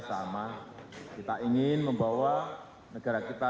semua saya kira sama kita ingin membawa negara kita